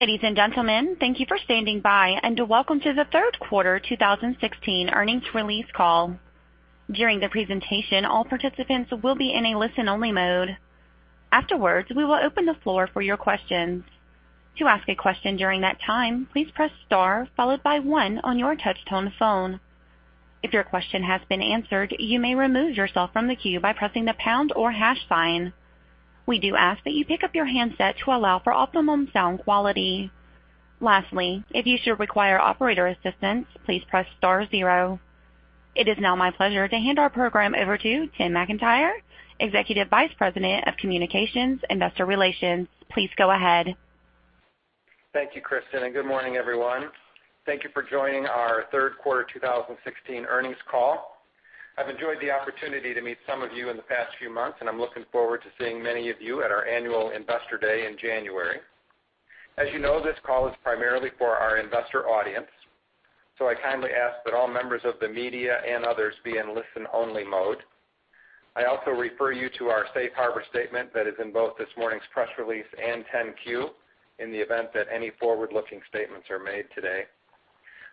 Ladies and gentlemen, thank you for standing by, and welcome to the third quarter 2016 earnings release call. During the presentation, all participants will be in a listen-only mode. Afterwards, we will open the floor for your questions. To ask a question during that time, please press star followed by one on your touch-tone phone. If your question has been answered, you may remove yourself from the queue by pressing the pound or hash sign. We do ask that you pick up your handset to allow for optimum sound quality. Lastly, if you should require operator assistance, please press star zero. It is now my pleasure to hand our program over to Tim McIntyre, Executive Vice President of Communications, Investor Relations. Please go ahead. Thank you, Kristen, and good morning, everyone. Thank you for joining our third-quarter 2016 earnings call. I've enjoyed the opportunity to meet some of you in the past few months, and I'm looking forward to seeing many of you at our annual Investor Day in January. As you know, this call is primarily for our investor audience, so I kindly ask that all members of the media and others be in listen-only mode. I also refer you to our safe harbor statement that is in both this morning's press release and 10-Q in the event that any forward-looking statements are made today.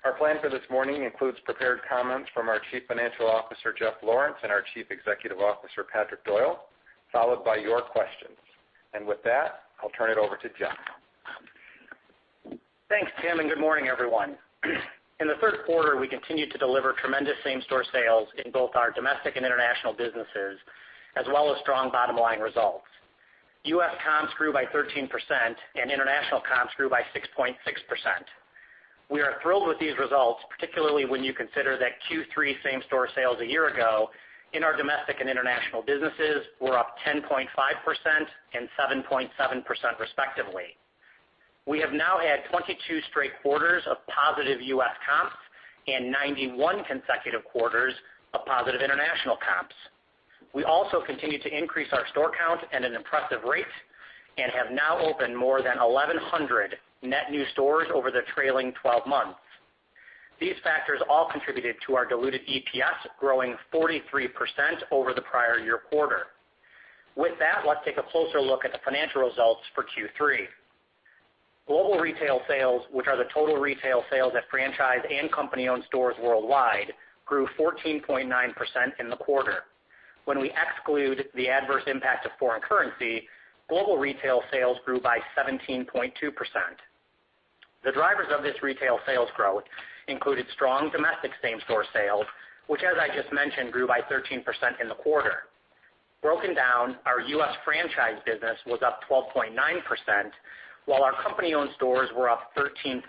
Our plan for this morning includes prepared comments from our Chief Financial Officer, Jeff Lawrence, and our Chief Executive Officer, Patrick Doyle, followed by your questions. With that, I'll turn it over to Jeff. Thanks, Tim, and good morning, everyone. In the third quarter, we continued to deliver tremendous same-store sales in both our domestic and international businesses, as well as strong bottom-line results. U.S. comps grew by 13%, and international comps grew by 6.6%. We are thrilled with these results, particularly when you consider that Q3 same-store sales a year ago in our domestic and international businesses were up 10.5% and 7.7% respectively. We have now had 22 straight quarters of positive U.S. comps and 91 consecutive quarters of positive international comps. We also continue to increase our store count at an impressive rate and have now opened more than 1,100 net new stores over the trailing 12 months. These factors all contributed to our diluted EPS growing 43% over the prior year quarter. With that, let's take a closer look at the financial results for Q3. Global retail sales, which are the total retail sales at franchise and company-owned stores worldwide, grew 14.9% in the quarter. When we exclude the adverse impact of foreign currency, global retail sales grew by 17.2%. The drivers of this retail sales growth included strong domestic same-store sales, which, as I just mentioned, grew by 13% in the quarter. Broken down, our U.S. franchise business was up 12.9%, while our company-owned stores were up 13.8%.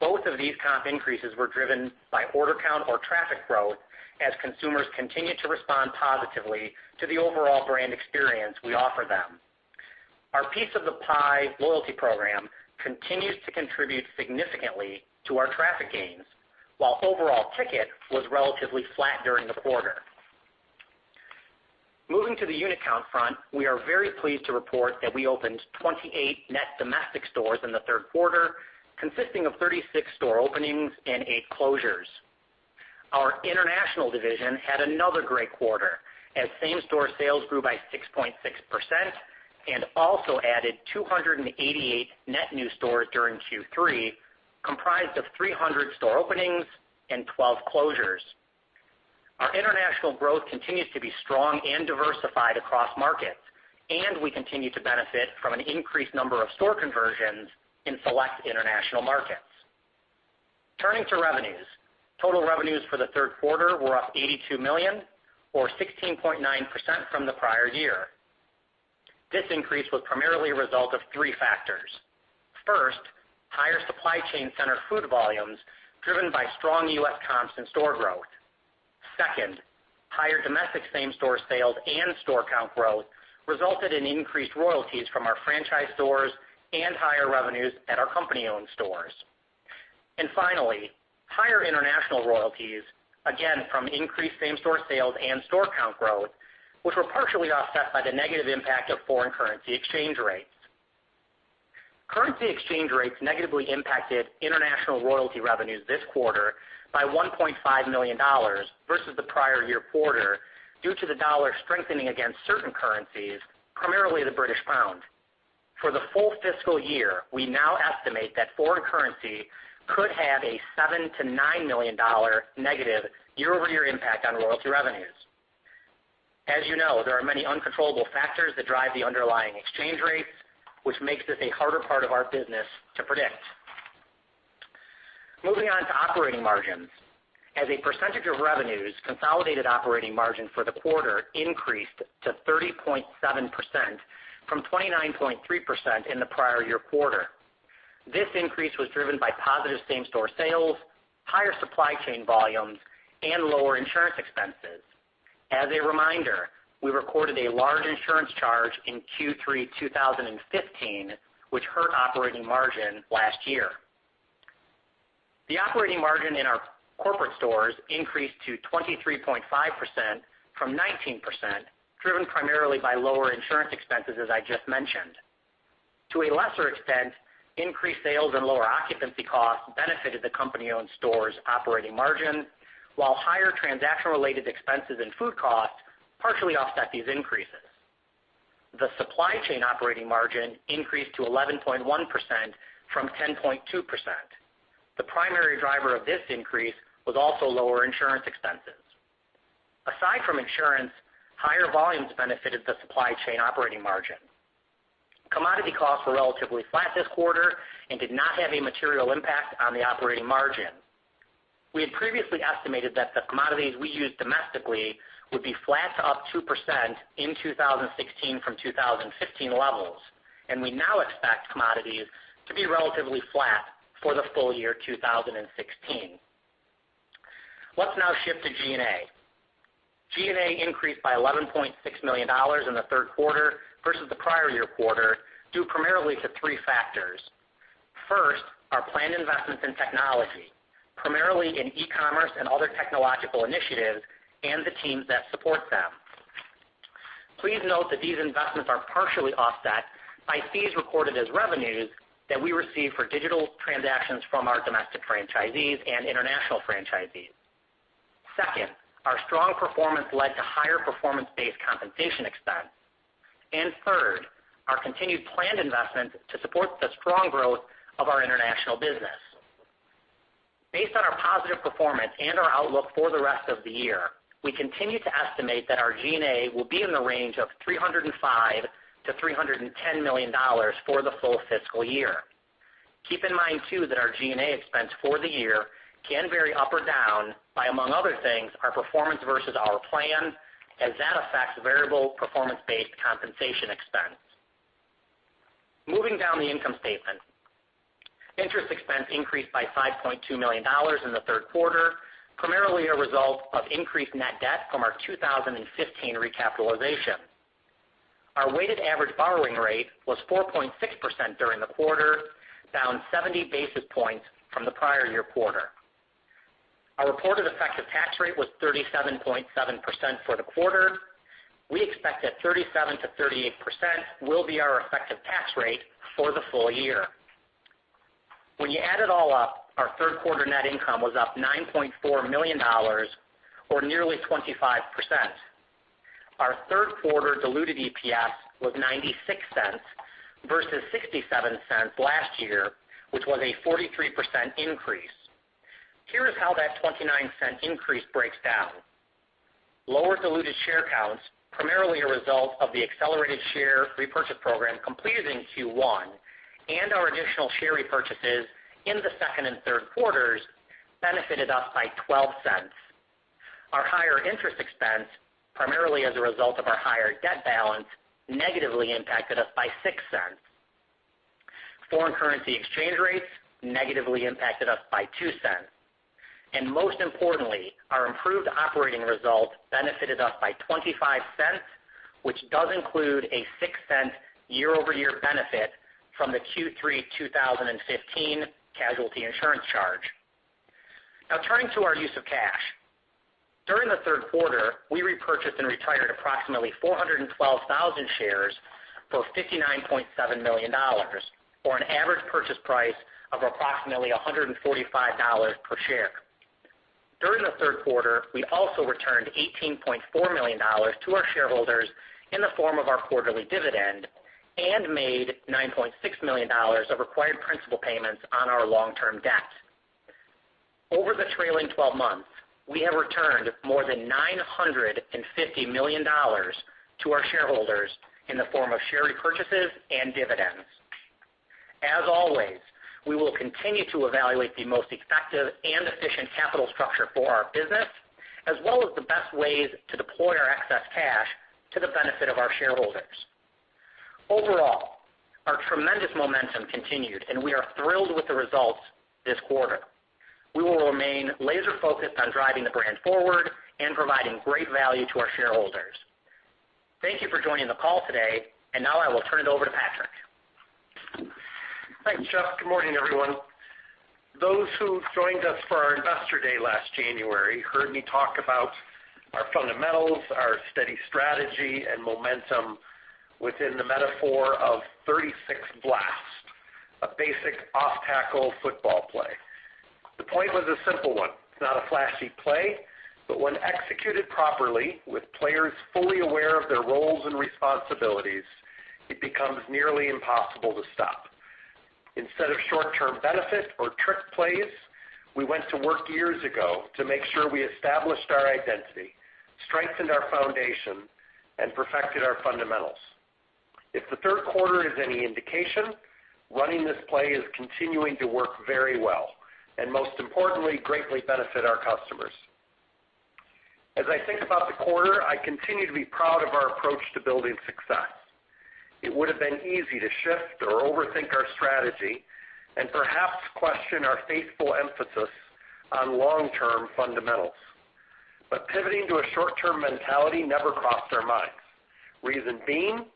Both of these comp increases were driven by order count or traffic growth as consumers continued to respond positively to the overall brand experience we offer them. Our Piece of the Pie loyalty program continues to contribute significantly to our traffic gains, while overall ticket was relatively flat during the quarter. Moving to the unit count front, we are very pleased to report that we opened 28 net domestic stores in the third quarter, consisting of 36 store openings and 8 closures. Our international division had another great quarter as same-store sales grew by 6.6% and also added 288 net new stores during Q3, comprised of 300 store openings and 12 closures. Our international growth continues to be strong and diversified across markets, and we continue to benefit from an increased number of store conversions in select international markets. Turning to revenues. Total revenues for the third quarter were up $82 million or 16.9% from the prior year. This increase was primarily a result of three factors. First, higher supply chain center food volumes driven by strong U.S. comps and store growth. Second, higher domestic same-store sales and store count growth resulted in increased royalties from our franchise stores and higher revenues at our company-owned stores. Finally, higher international royalties, again, from increased same-store sales and store count growth, which were partially offset by the negative impact of foreign currency exchange rates. Currency exchange rates negatively impacted international royalty revenues this quarter by $1.5 million versus the prior year quarter due to the dollar strengthening against certain currencies, primarily the British pound. For the full fiscal year, we now estimate that foreign currency could have a $7 million-$9 million negative year-over-year impact on royalty revenues. As you know, there are many uncontrollable factors that drive the underlying exchange rates, which makes this a harder part of our business to predict. Moving on to operating margins. As a percentage of revenues, consolidated operating margin for the quarter increased to 30.7% from 29.3% in the prior year quarter. This increase was driven by positive same-store sales, higher supply chain volumes, and lower insurance expenses. As a reminder, we recorded a large insurance charge in Q3 2015, which hurt operating margin last year. The operating margin in our corporate stores increased to 23.5% from 19%, driven primarily by lower insurance expenses, as I just mentioned. To a lesser extent, increased sales and lower occupancy costs benefited the company-owned stores' operating margin, while higher transaction-related expenses and food costs partially offset these increases. The supply chain operating margin increased to 11.1% from 10.2%. The primary driver of this increase was also lower insurance expenses. Aside from insurance, higher volumes benefited the supply chain operating margin. Commodity costs were relatively flat this quarter and did not have a material impact on the operating margin. We had previously estimated that the commodities we use domestically would be flat to up 2% in 2016 from 2015 levels, and we now expect commodities to be relatively flat for the full year 2016. Let's now shift to G&A. G&A increased by $11.6 million in the third quarter versus the prior year quarter, due primarily to three factors. First, our planned investments in technology, primarily in e-commerce and other technological initiatives, and the teams that support them. Please note that these investments are partially offset by fees recorded as revenues that we receive for digital transactions from our domestic franchisees and international franchisees. Second, our strong performance led to higher performance-based compensation expense. Third, our continued planned investment to support the strong growth of our international business. Based on our positive performance and our outlook for the rest of the year, we continue to estimate that our G&A will be in the range of $305 million-$310 million for the full fiscal year. Keep in mind too, that our G&A expense for the year can vary up or down by, among other things, our performance versus our plan, as that affects variable performance-based compensation expense. Moving down the income statement. Interest expense increased by $5.2 million in the third quarter, primarily a result of increased net debt from our 2015 recapitalization. Our weighted average borrowing rate was 4.6% during the quarter, down 70 basis points from the prior year quarter. Our reported effective tax rate was 37.7% for the quarter. We expect that 37%-38% will be our effective tax rate for the full year. When you add it all up, our third quarter net income was up $9.4 million, or nearly 25%. Our third quarter diluted EPS was $0.96 versus $0.67 last year, which was a 43% increase. Here is how that $0.29 increase breaks down. Lower diluted share counts, primarily a result of the accelerated share repurchase program completed in Q1, and our additional share repurchases in the second and third quarters, benefited us by $0.12. Our higher interest expense, primarily as a result of our higher debt balance, negatively impacted us by $0.06. Foreign currency exchange rates negatively impacted us by $0.02. Most importantly, our improved operating results benefited us by $0.25, which does include a $0.06 year-over-year benefit from the Q3 2015 casualty insurance charge. Turning to our use of cash. During the third quarter, we repurchased and retired approximately 412,000 shares for $59.7 million, or an average purchase price of approximately $145 per share. During the third quarter, we also returned $18.4 million to our shareholders in the form of our quarterly dividend and made $9.6 million of required principal payments on our long-term debt. Over the trailing 12 months, we have returned more than $950 million to our shareholders in the form of share repurchases and dividends. Always, we will continue to evaluate the most effective and efficient capital structure for our business, as well as the best ways to deploy our excess cash to the benefit of our shareholders. Overall, our tremendous momentum continued, and we are thrilled with the results this quarter. We will remain laser-focused on driving the brand forward and providing great value to our shareholders. Thank you for joining the call today. Now I will turn it over to Patrick. Thanks, Jeff. Good morning, everyone. Those who joined us for our Investor Day last January heard me talk about our fundamentals, our steady strategy and momentum within the metaphor of 36 Blast, a basic off-tackle football play. The point was a simple one. It's not a flashy play, but when executed properly with players fully aware of their roles and responsibilities, it becomes nearly impossible to stop. Instead of short-term benefit or trick plays, we went to work years ago to make sure we established our identity, strengthened our foundation, and perfected our fundamentals. If the third quarter is any indication, running this play is continuing to work very well and, most importantly, greatly benefit our customers. As I think about the quarter, I continue to be proud of our approach to building success. It would've been easy to shift or overthink our strategy and perhaps question our faithful emphasis on long-term fundamentals. Pivoting to a short-term mentality never crossed our minds. Reason being,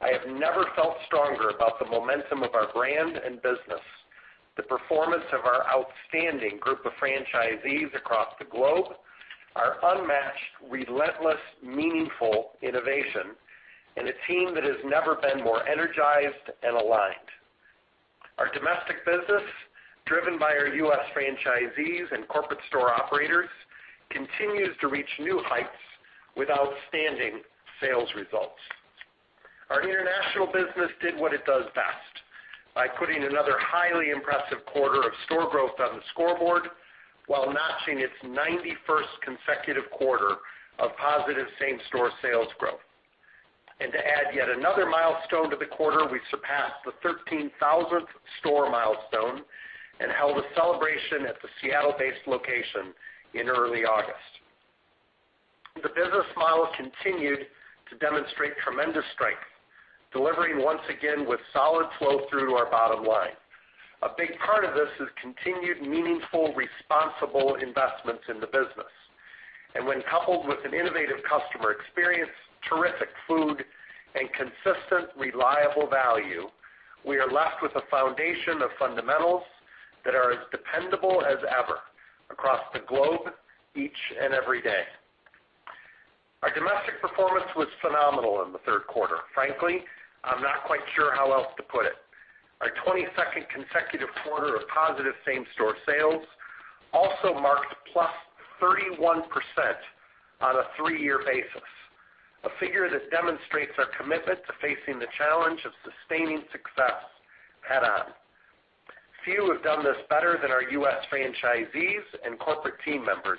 I have never felt stronger about the momentum of our brand and business. The performance of our outstanding group of franchisees across the globe, our unmatched, relentless, meaningful innovation, and a team that has never been more energized and aligned. Our domestic business, driven by our U.S. franchisees and corporate store operators, continues to reach new heights with outstanding sales results. Our international business did what it does best by putting another highly impressive quarter of store growth on the scoreboard while notching its 91st consecutive quarter of positive same-store sales growth. To add yet another milestone to the quarter, we surpassed the 13,000th store milestone and held a celebration at the Seattle-based location in early August. The business model continued to demonstrate tremendous strength, delivering once again with solid flow through to our bottom line. A big part of this is continued meaningful, responsible investments in the business. When coupled with an innovative customer experience, terrific food, and consistent, reliable value, we are left with a foundation of fundamentals that are as dependable as ever across the globe each and every day. Our domestic performance was phenomenal in the third quarter. Frankly, I'm not quite sure how else to put it. Our 22nd consecutive quarter of positive same-store sales also marked +31% on a three-year basis, a figure that demonstrates our commitment to facing the challenge of sustaining success head-on. Few have done this better than our U.S. franchisees and corporate team members,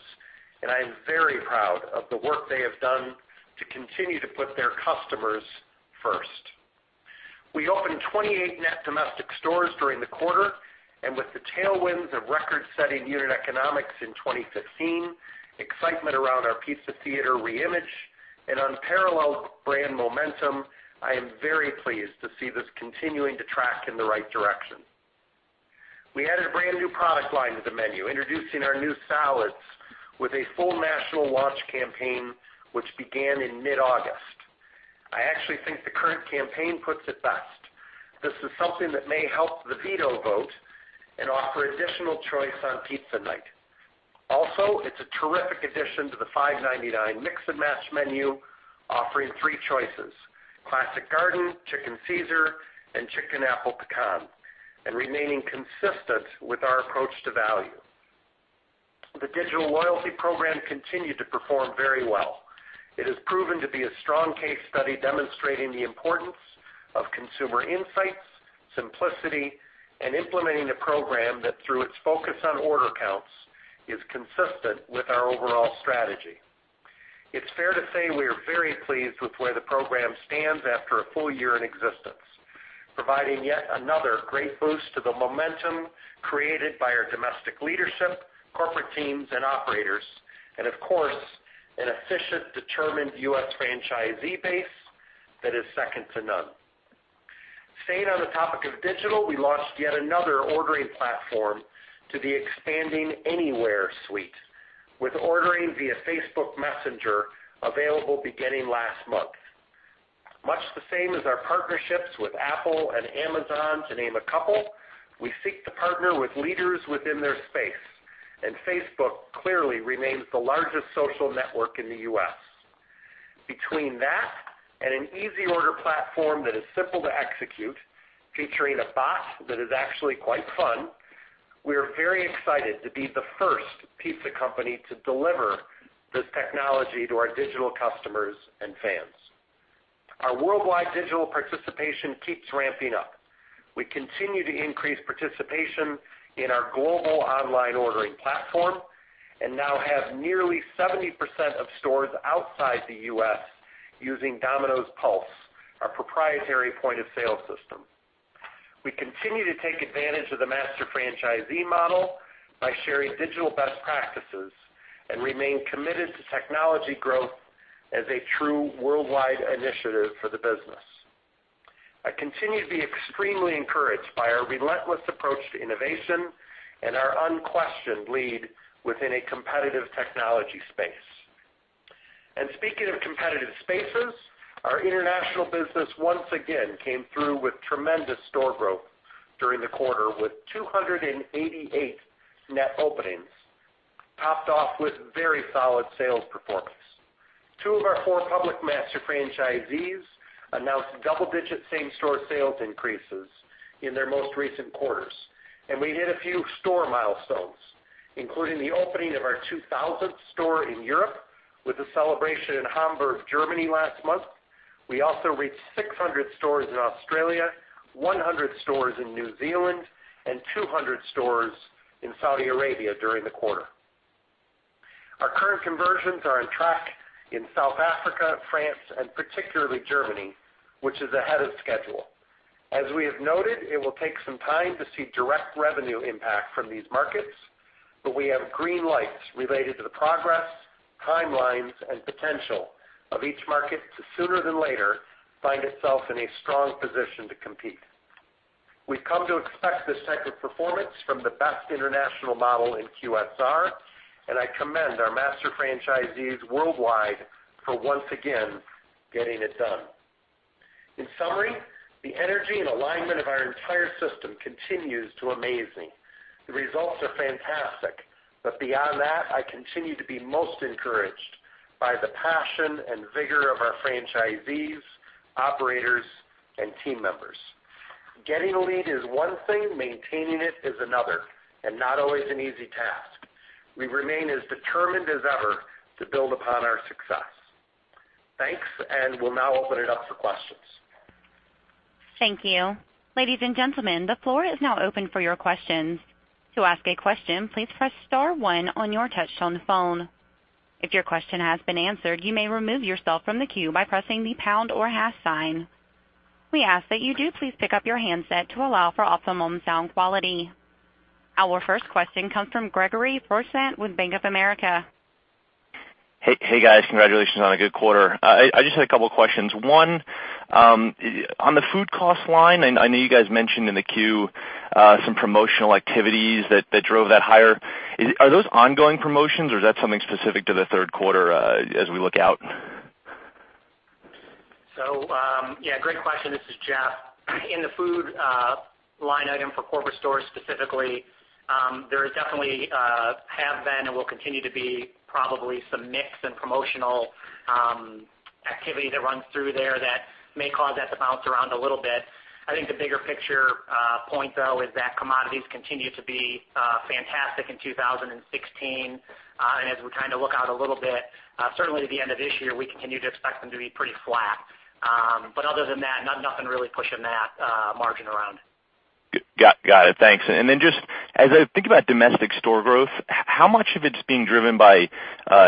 I am very proud of the work they have done to continue to put their customers first. We opened 28 net domestic stores during the quarter, and with the tailwinds of record-setting unit economics in 2015, excitement around our Pizza Theater reimage, and unparalleled brand momentum, I am very pleased to see this continuing to track in the right direction. We added a brand-new product line to the menu, introducing our new salads with a full national launch campaign, which began in mid-August. I actually think the current campaign puts it best. This is something that may help the veto vote and offer additional choice on pizza night. Also, it's a terrific addition to the $5.99 mix and match menu, offering three choices, Classic Garden, Chicken Caesar, and Chicken Apple Pecan, and remaining consistent with our approach to value. The digital loyalty program continued to perform very well. It has proven to be a strong case study demonstrating the importance of consumer insights, simplicity, and implementing a program that through its focus on order counts, is consistent with our overall strategy. It is fair to say we are very pleased with where the program stands after a full year in existence, providing yet another great boost to the momentum created by our domestic leadership, corporate teams, and operators, and of course, an efficient, determined U.S. franchisee base that is second to none. Staying on the topic of digital, we launched yet another ordering platform to the expanding AnyWare suite with ordering via Facebook Messenger available beginning last month. Much the same as our partnerships with Apple and Amazon, to name a couple, we seek to partner with leaders within their space, and Facebook clearly remains the largest social network in the U.S. Between that and an easy order platform that is simple to execute, featuring a bot that is actually quite fun, we are very excited to be the first pizza company to deliver this technology to our digital customers and fans. Our worldwide digital participation keeps ramping up. We continue to increase participation in our global online ordering platform and now have nearly 70% of stores outside the U.S. using Domino's PULSE, our proprietary point-of-sale system. We continue to take advantage of the master franchisee model by sharing digital best practices and remain committed to technology growth as a true worldwide initiative for the business. I continue to be extremely encouraged by our relentless approach to innovation and our unquestioned lead within a competitive technology space. Speaking of competitive spaces, our international business once again came through with tremendous store growth during the quarter, with 288 net openings, topped off with very solid sales performance. Two of our four public master franchisees announced double-digit same-store sales increases in their most recent quarters, and we hit a few store milestones, including the opening of our 2,000th store in Europe with a celebration in Hamburg, Germany, last month. We also reached 600 stores in Australia, 100 stores in New Zealand, and 200 stores in Saudi Arabia during the quarter. Our current conversions are on track in South Africa, France, and particularly Germany, which is ahead of schedule. As we have noted, it will take some time to see direct revenue impact from these markets, but we have green lights related to the progress, timelines, and potential of each market to sooner than later find itself in a strong position to compete. We've come to expect this type of performance from the best international model in QSR, and I commend our master franchisees worldwide for once again getting it done. In summary, the energy and alignment of our entire system continues to amaze me. The results are fantastic. Beyond that, I continue to be most encouraged by the passion and vigor of our franchisees, operators, and team members. Getting a lead is one thing, maintaining it is another, and not always an easy task. We remain as determined as ever to build upon our success. Thanks. We'll now open it up for questions. Thank you. Ladies and gentlemen, the floor is now open for your questions. To ask a question, please press star one on your touch-tone phone. If your question has been answered, you may remove yourself from the queue by pressing the pound or hash sign. We ask that you do please pick up your handset to allow for optimum sound quality. Our first question comes from Gregory Francfort with Bank of America. Hey, guys. Congratulations on a good quarter. I just had a couple of questions. One, on the food cost line, I know you guys mentioned in the Q some promotional activities that drove that higher. Are those ongoing promotions, or is that something specific to the third quarter, as we look out? Yeah, great question. This is Jeff. In the food line item for corporate stores specifically, there definitely have been and will continue to be probably some mix and promotional activity that runs through there that may cause that to bounce around a little bit. I think the bigger picture point, though, is that commodities continue to be fantastic in 2016. As we look out a little bit, certainly to the end of this year, we continue to expect them to be pretty flat. Other than that, nothing really pushing that margin around. Got it. Thanks. Then just as I think about domestic store growth, how much of it's being driven by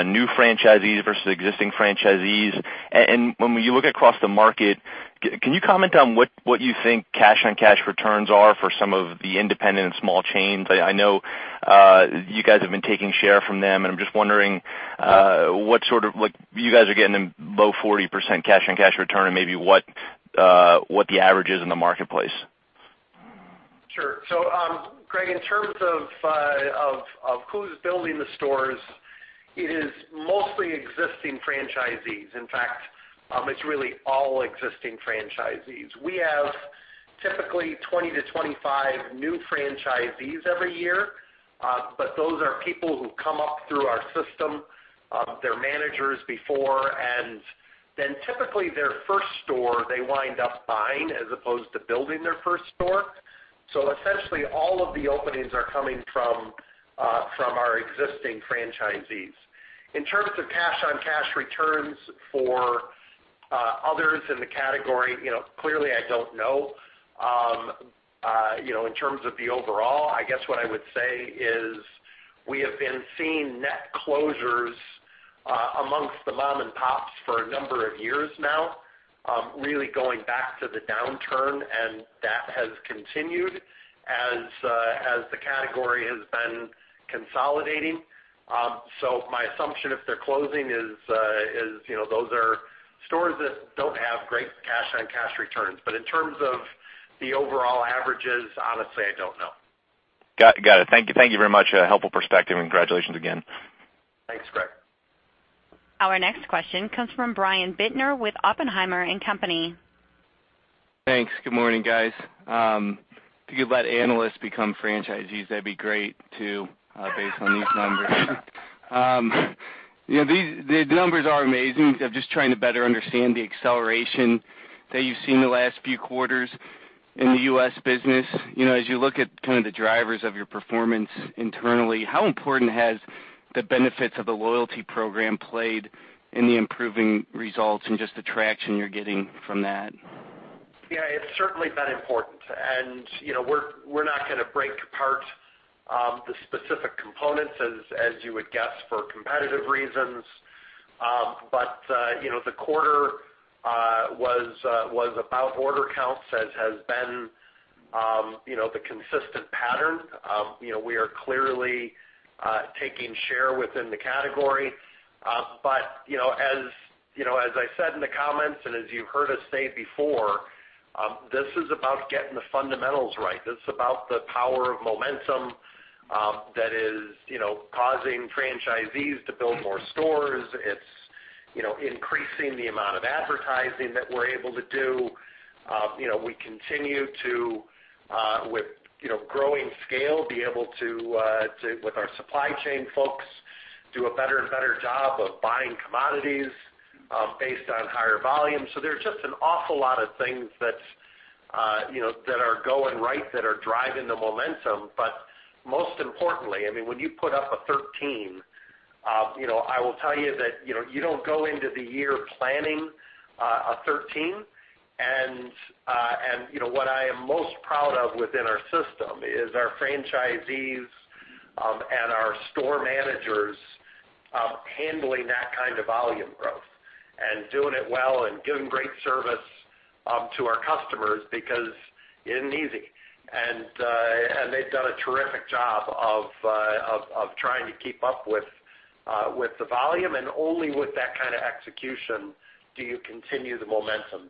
new franchisees versus existing franchisees? When you look across the market, can you comment on what you think cash-on-cash returns are for some of the independent and small chains? I know you guys have been taking share from them, and I'm just wondering, you guys are getting them low 40% cash-on-cash return, and maybe what the average is in the marketplace. Sure. Greg, in terms of who's building the stores, it is mostly existing franchisees. In fact, it's really all existing franchisees. We have typically 20 to 25 new franchisees every year, but those are people who come up through our system. They're managers before, and then typically their first store, they wind up buying as opposed to building their first store. Essentially all of the openings are coming from our existing franchisees. In terms of cash-on-cash returns for others in the category, clearly I don't know. In terms of the overall, I guess what I would say is we have been seeing net closures amongst the mom and pops for a number of years now, really going back to the downturn, and that has continued as the category has been consolidating. My assumption, if they're closing is those are stores that don't have great cash-on-cash returns. In terms of the overall averages, honestly, I don't know. Got it. Thank you very much. A helpful perspective, and congratulations again. Thanks, Greg. Our next question comes from Brian Bittner with Oppenheimer and Company. Thanks. Good morning, guys. If you let analysts become franchisees, that'd be great, too, based on these numbers. The numbers are amazing. I'm just trying to better understand the acceleration that you've seen in the last few quarters in the U.S. business. As you look at kind of the drivers of your performance internally, how important has the benefits of the loyalty program played in the improving results and just the traction you're getting from that? Yeah, it's certainly been important. We're not going to break apart the specific components, as you would guess, for competitive reasons. The quarter was about order counts, as has been the consistent pattern. We are clearly taking share within the category. As I said in the comments and as you've heard us say before, this is about getting the fundamentals right. This is about the power of momentum that is causing franchisees to build more stores. It's increasing the amount of advertising that we're able to do. We continue to, with growing scale, be able to, with our supply chain folks, do a better and better job of buying commodities based on higher volume. There's just an awful lot of things that are going right that are driving the momentum. Most importantly, when you put up a 13%, I will tell you that you don't go into the year planning a 13%. What I am most proud of within our system is our franchisees and our store managers handling that kind of volume growth and doing it well and giving great service to our customers because it isn't easy. They've done a terrific job of trying to keep up with the volume, and only with that kind of execution do you continue the momentum.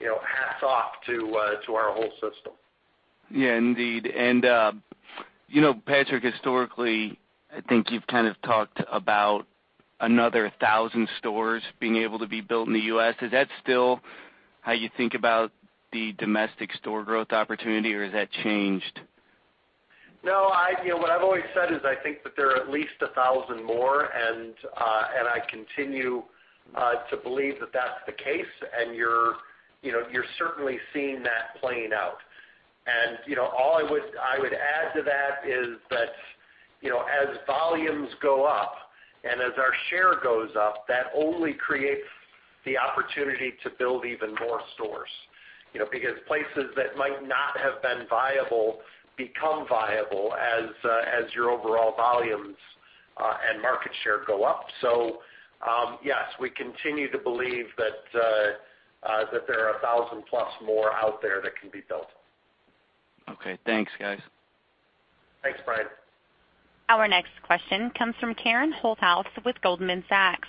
Hats off to our whole system. Yeah, indeed. Patrick, historically, I think you've kind of talked about another 1,000 stores being able to be built in the U.S. Is that still how you think about the domestic store growth opportunity, or has that changed? No. What I've always said is I think that there are at least 1,000 more. I continue to believe that that's the case. You're certainly seeing that playing out. All I would add to that is that as volumes go up and as our share goes up, that only creates the opportunity to build even more stores, because places that might not have been viable become viable as your overall volumes and market share go up. Yes, we continue to believe that there are 1,000-plus more out there that can be built. Okay, thanks, guys. Thanks, Brian. Our next question comes from Karen Holthouse with Goldman Sachs.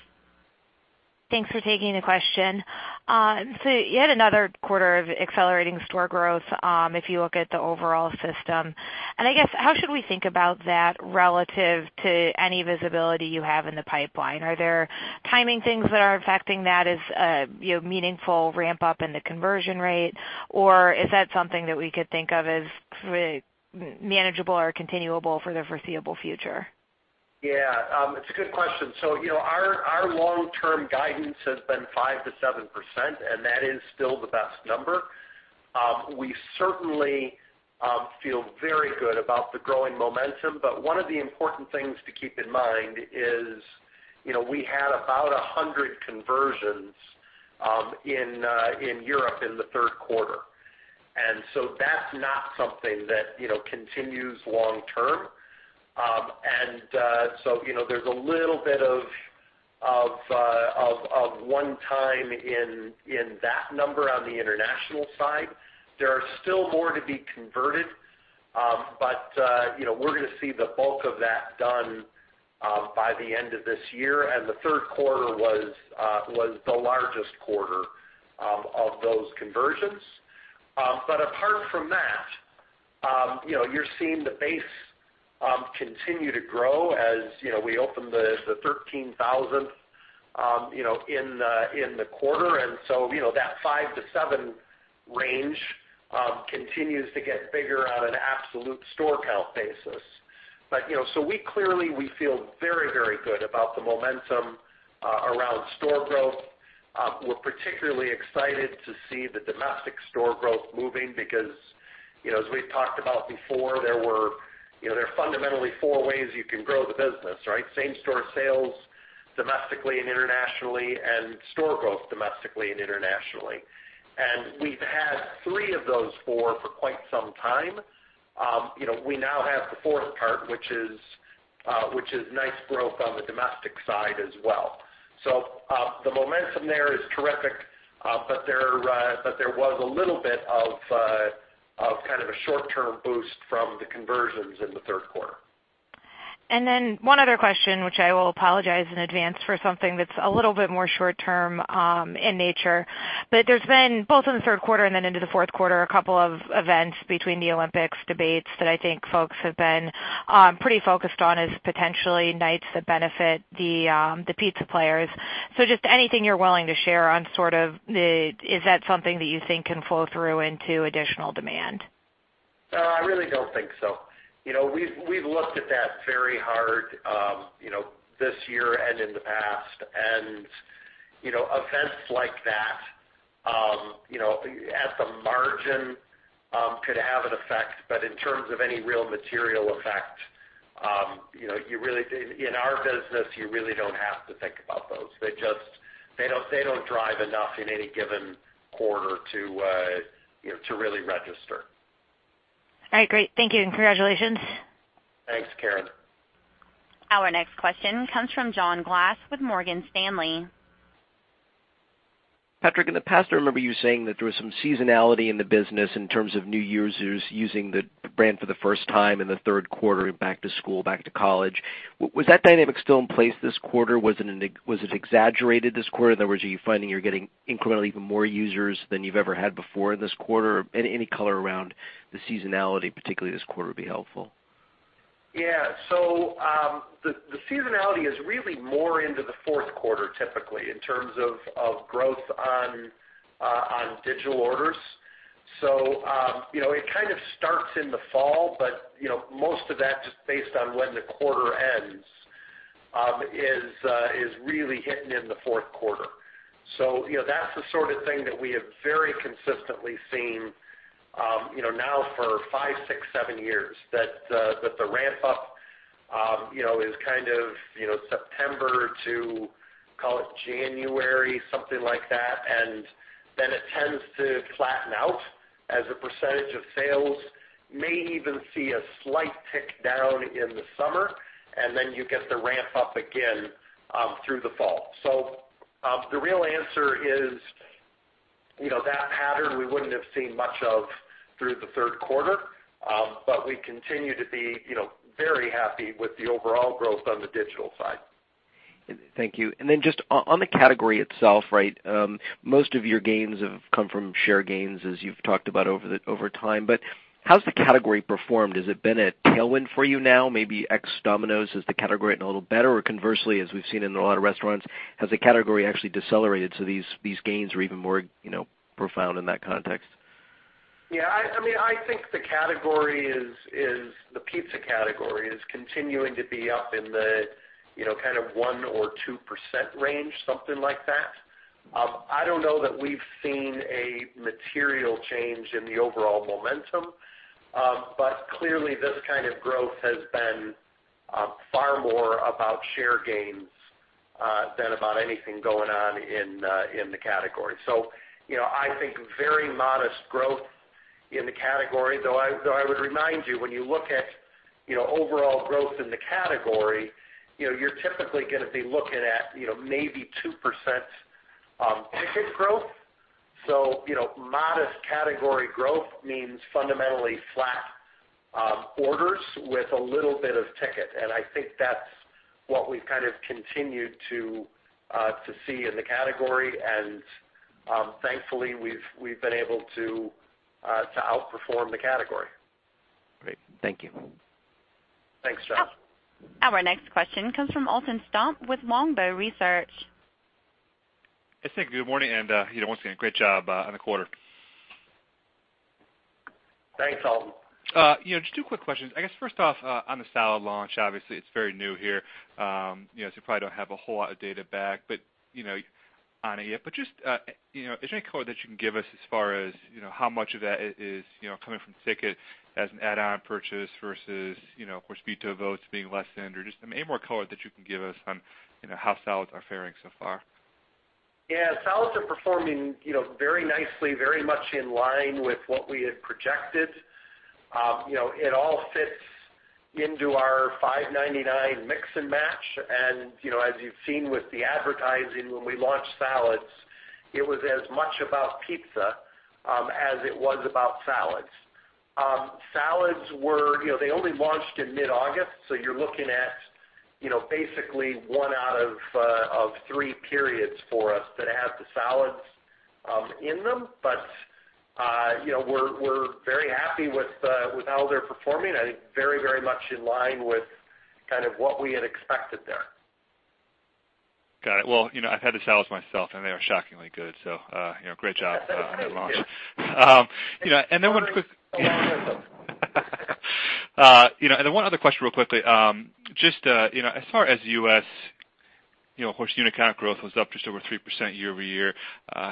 Thanks for taking the question. Yet another quarter of accelerating store growth, if you look at the overall system. I guess, how should we think about that relative to any visibility you have in the pipeline? Are there timing things that are affecting that as a meaningful ramp-up in the conversion rate, or is that something that we could think of as manageable or continuable for the foreseeable future? Yeah. It's a good question. Our long-term guidance has been 5% to 7%, and that is still the best number. We certainly feel very good about the growing momentum, but one of the important things to keep in mind is we had about 100 conversions in Europe in the third quarter. That's not something that continues long term. There's a little bit of one time in that number on the international side. There are still more to be converted, but we're going to see the bulk of that done by the end of this year. The third quarter was the largest quarter of those conversions. Apart from that, you're seeing the base continue to grow as we opened the 13,000th in the quarter. That five to seven range continues to get bigger on an absolute store count basis. We clearly feel very good about the momentum around store growth. We're particularly excited to see the domestic store growth moving because, as we've talked about before, there are fundamentally four ways you can grow the business, right? Same-store sales domestically and internationally, and store growth domestically and internationally. We've had three of those four for quite some time. We now have the fourth part, which is nice growth on the domestic side as well. The momentum there is terrific, but there was a little bit of a short-term boost from the conversions in the third quarter. One other question, which I will apologize in advance for something that's a little bit more short term in nature. There's been, both in the third quarter and then into the fourth quarter, a couple of events between the Olympics debates that I think folks have been pretty focused on as potentially nights that benefit the pizza players. Just anything you're willing to share on sort of, is that something that you think can flow through into additional demand? No, I really don't think so. We've looked at that very hard this year and in the past. Events like that, at the margin, could have an effect. In terms of any real material effect, in our business, you really don't have to think about those. They don't drive enough in any given quarter to really register. All right, great. Thank you, congratulations. Thanks, Karen. Our next question comes from John Glass with Morgan Stanley. Patrick, in the past, I remember you saying that there was some seasonality in the business in terms of new users using the brand for the first time in the third quarter, back to school, back to college. Was that dynamic still in place this quarter? Was it exaggerated this quarter? In other words, are you finding you're getting incrementally even more users than you've ever had before in this quarter? Any color around the seasonality, particularly this quarter, would be helpful. Yeah. The seasonality is really more into the fourth quarter, typically, in terms of growth on digital orders. It kind of starts in the fall, but most of that, just based on when the quarter ends, is really hitting in the fourth quarter. That's the sort of thing that we have very consistently seen now for five, six, seven years, that the ramp-up is kind of September to, call it January, something like that, and then it tends to flatten out as a percentage of sales. May even see a slight tick down in the summer, and then you get the ramp-up again through the fall. The real answer is that pattern we wouldn't have seen much of through the third quarter. We continue to be very happy with the overall growth on the digital side. Thank you. Then just on the category itself, most of your gains have come from share gains, as you've talked about over time. How's the category performed? Has it been a tailwind for you now? Maybe ex Domino's, is the category a little better? Conversely, as we've seen in a lot of restaurants, has the category actually decelerated, so these gains are even more profound in that context? Yeah. I think the pizza category is continuing to be up in the 1% or 2% range, something like that. I don't know that we've seen a material change in the overall momentum. Clearly, this kind of growth has been far more about share gains, than about anything going on in the category. I think very modest growth in the category, though I would remind you, when you look at overall growth in the category, you're typically going to be looking at maybe 2% ticket growth. Modest category growth means fundamentally flat orders with a little bit of ticket. I think that's what we've kind of continued to see in the category. Thankfully, we've been able to outperform the category. Great. Thank you. Thanks, John. Our next question comes from Alton Stump with Longbow Research. I think good morning, once again, great job on the quarter. Thanks, Alton. Just two quick questions. I guess first off, on the salad launch, obviously it's very new here. You probably don't have a whole lot of data back on it yet, but just is there any color that you can give us as far as how much of that is coming from ticket as an add-on purchase versus of course pizza votes being lessened or just any more color that you can give us on how salads are faring so far? Yeah. Salads are performing very nicely, very much in line with what we had projected. It all fits into our $5.99 mix and match, and as you've seen with the advertising when we launched salads, it was as much about pizza, as it was about salads. Salads only launched in mid-August, so you're looking at basically one out of three periods for us that have the salads in them. We're very happy with how they're performing. I think very much in line with kind of what we had expected there. Got it. Well, I've had the salads myself, and they are shockingly good. Great job. Thank you On that launch. Then one other question real quickly. Just as far as U.S., of course unit count growth was up just over 3% year-over-year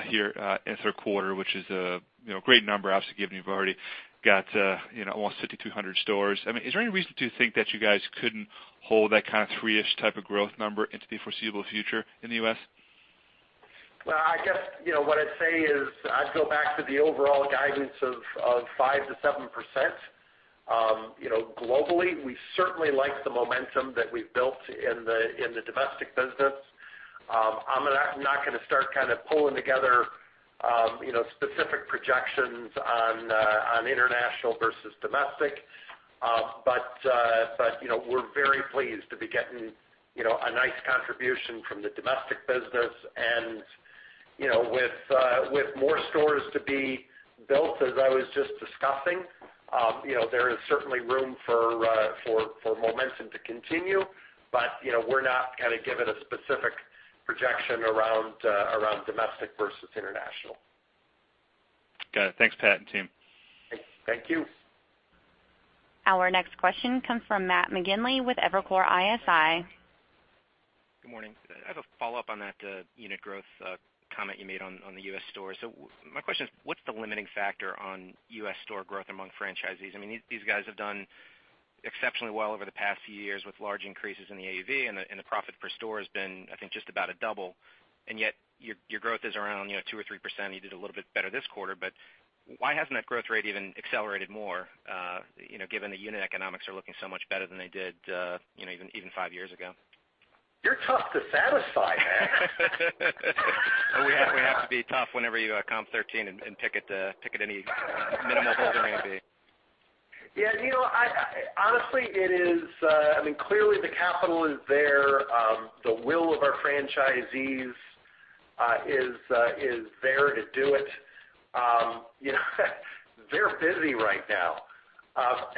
here in third quarter, which is a great number obviously given you've already got almost 5,200 stores. Is there any reason to think that you guys couldn't hold that kind of three-ish type of growth number into the foreseeable future in the U.S.? Well, I guess what I'd say is I'd go back to the overall guidance of 5%-7%. Globally, we certainly like the momentum that we've built in the domestic business. I'm not going to start kind of pulling together specific projections on international versus domestic. We're very pleased to be getting a nice contribution from the domestic business and with more stores to be built, as I was just discussing, there is certainly room for momentum to continue. We're not going to give it a specific projection around domestic versus international. Got it. Thanks, Pat and team. Thank you. Our next question comes from Matt McGinley with Evercore ISI. Good morning. I have a follow-up on that unit growth comment you made on the U.S. stores. My question is, what's the limiting factor on U.S. store growth among franchisees? These guys have done exceptionally well over the past few years with large increases in the AUV, and the profit per store has been, I think, just about a double. Your growth is around 2% or 3%. You did a little bit better this quarter. Why hasn't that growth rate even accelerated more given the unit economics are looking so much better than they did even five years ago? You're tough to satisfy, Matt. We have to be tough whenever you comp 13 and tackle any minimal growth you're going to be. Honestly, clearly the capital is there. The will of our franchisees is there to do it. They're busy right now. I'll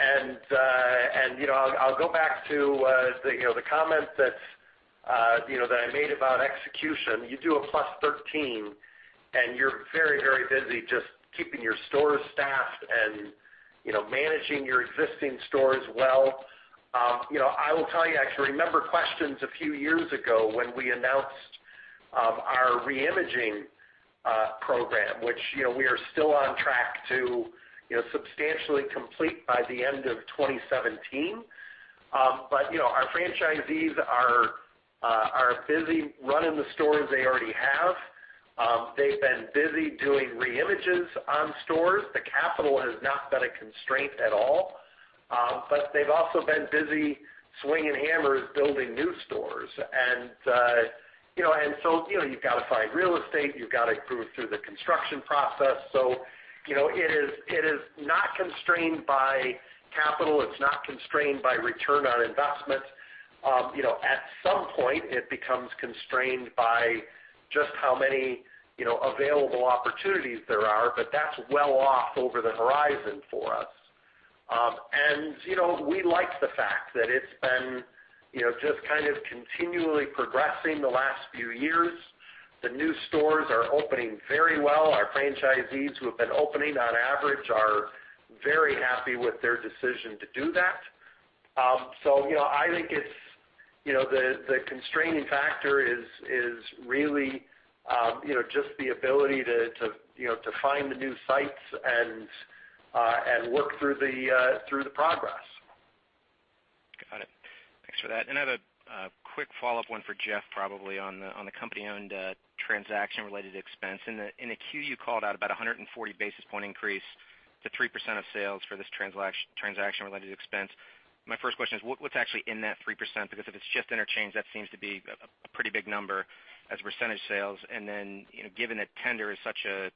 go back to the comment that I made about execution. You do a plus 13 and you're very busy just keeping your stores staffed and managing your existing stores well. I will tell you, I actually remember questions a few years ago when we announced our re-imaging program, which we are still on track to substantially complete by the end of 2017. Our franchisees are busy running the stores they already have. They've been busy doing re-images on stores. The capital has not been a constraint at all. They've also been busy swinging hammers building new stores. You've got to find real estate, you've got to prove through the construction process. It is not constrained by capital. It's not constrained by return on investment. At some point it becomes constrained by just how many available opportunities there are, but that's well off over the horizon for us. We like the fact that it's been just continually progressing the last few years. The new stores are opening very well. Our franchisees who have been opening on average are very happy with their decision to do that. I think the constraining factor is really just the ability to find the new sites and work through the progress. Got it. Thanks for that. I have a quick follow-up one for Jeff, probably on the company-owned transaction related expense. In the Q, you called out about 140 basis point increase to 3% of sales for this transaction-related expense. My first question is, what's actually in that 3%? Because if it's just interchange, that seems to be a pretty big number as a percentage sales. Then, given that tender is such a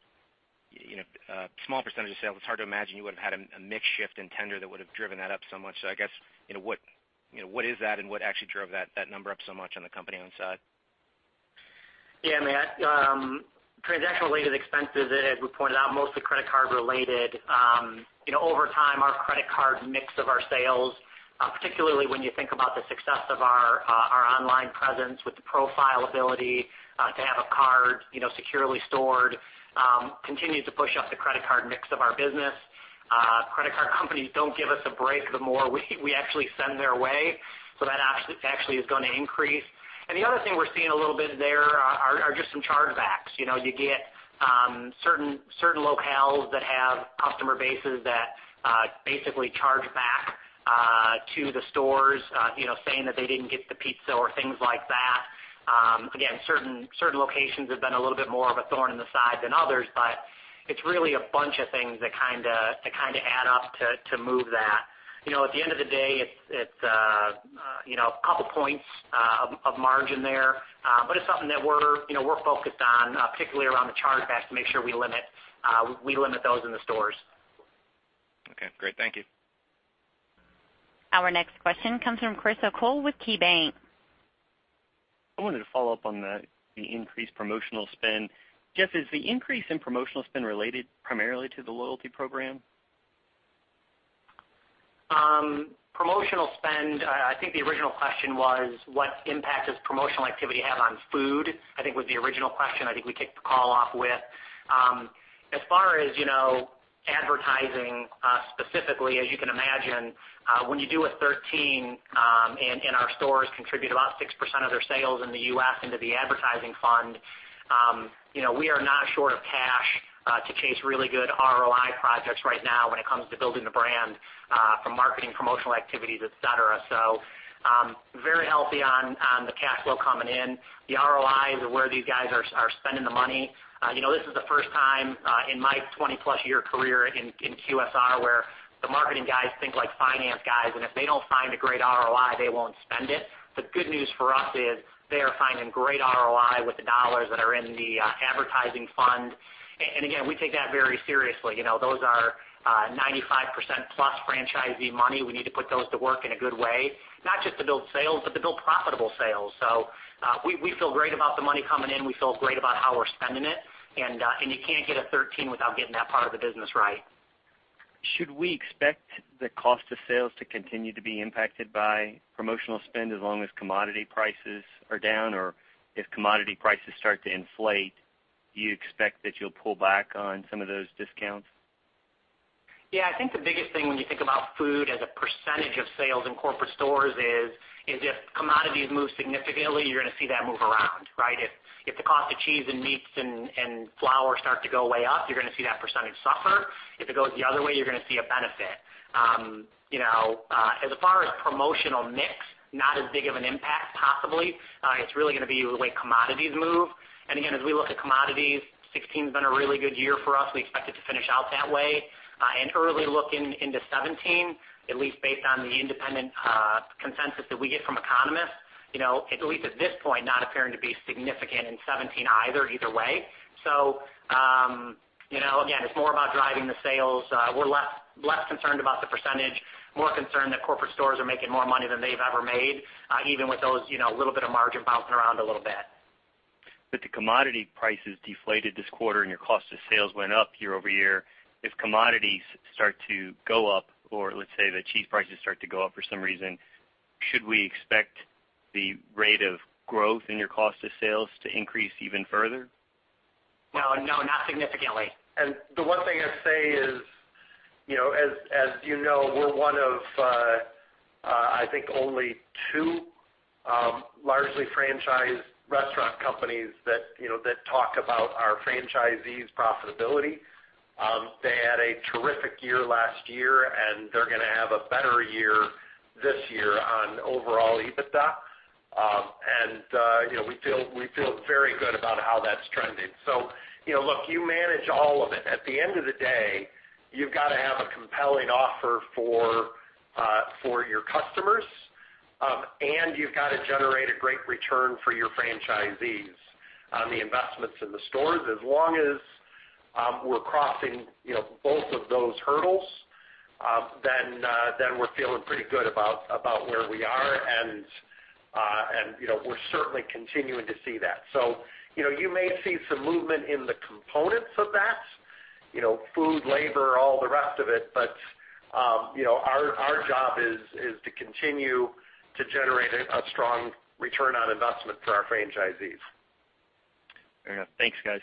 small percentage of sales, it's hard to imagine you would've had a mix shift in tender that would've driven that up so much. I guess, what is that and what actually drove that number up so much on the company-owned side? Yeah, Matt. Transaction-related expenses, as we pointed out, mostly credit card related. Over time, our credit card mix of our sales, particularly when you think about the success of our online presence with the profile ability to have a card securely stored, continue to push up the credit card mix of our business. Credit card companies don't give us a break the more we actually send their way. That actually is going to increase. The other thing we're seeing a little bit there are just some chargebacks. You get certain locales that have customer bases that basically charge back to the stores saying that they didn't get the pizza or things like that. Again, certain locations have been a little bit more of a thorn in the side than others, but it's really a bunch of things that add up to move that. At the end of the day, it's a couple points of margin there. It's something that we're focused on, particularly around the chargebacks to make sure we limit those in the stores. Okay, great. Thank you. Our next question comes from Chris O'Cull with KeyBanc. I wanted to follow up on the increased promotional spend. Jeff, is the increase in promotional spend related primarily to the loyalty program? Promotional spend, I think the original question was what impact does promotional activity have on food, I think was the original question I think we kicked the call off with. As far as advertising, specifically, as you can imagine, when you do a 13 and our stores contribute about 6% of their sales in the U.S. into the advertising fund. Very healthy on the cash flow coming in. The ROIs are where these guys are spending the money. This is the first time in my 20-plus-year career in QSR where the marketing guys think like finance guys, and if they don't find a great ROI, they won't spend it. The good news for us is they are finding great ROI with the dollars that are in the advertising fund. Again, we take that very seriously. Those are 95%-plus franchisee money. We need to put those to work in a good way, not just to build sales, but to build profitable sales. We feel great about the money coming in. We feel great about how we're spending it. You can't get a 13 without getting that part of the business right. Should we expect the cost of sales to continue to be impacted by promotional spend as long as commodity prices are down? If commodity prices start to inflate, do you expect that you'll pull back on some of those discounts? I think the biggest thing when you think about food as a percentage of sales in corporate stores is if commodities move significantly, you're going to see that move around, right? If the cost of cheese and meats and flour start to go way up, you're going to see that percentage suffer. If it goes the other way, you're going to see a benefit. As far as promotional mix, not as big of an impact, possibly. It's really going to be the way commodities move. Again, as we look at commodities, 2016's been a really good year for us. We expect it to finish out that way. Early look into 2017, at least based on the independent consensus that we get from economists, at least at this point, not appearing to be significant in 2017 either way. Again, it's more about driving the sales. We're less concerned about the percentage, more concerned that corporate stores are making more money than they've ever made, even with those little bit of margin bouncing around a little bit. The commodity prices deflated this quarter. Your cost of sales went up year-over-year. If commodities start to go up, let's say the cheese prices start to go up for some reason, should we expect the rate of growth in your cost of sales to increase even further? No, not significantly. The one thing I'd say is, as you know, we're one of I think only two largely franchised restaurant companies that talk about our franchisees' profitability. They had a terrific year last year, and they're going to have a better year this year on overall EBITDA. We feel very good about how that's trending. Look, you manage all of it. At the end of the day, you've got to have a compelling offer for your customers, and you've got to generate a great return for your franchisees on the investments in the stores. As long as we're crossing both of those hurdles, then we're feeling pretty good about where we are and we're certainly continuing to see that. You may see some movement in the components of that, food, labor, all the rest of it, but our job is to continue to generate a strong return on investment for our franchisees. Fair enough. Thanks, guys.